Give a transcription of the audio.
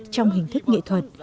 trong hình thức nghệ thuật